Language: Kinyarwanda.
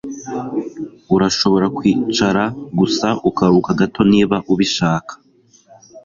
Urashobora kwicara gusa ukaruhuka gato niba ubishaka